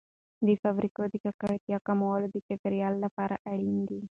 د فابریکو د ککړتیا کمول د چاپیریال لپاره اړین دي.